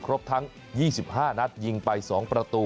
ครบทั้ง๒๕นัดยิงไป๒ประตู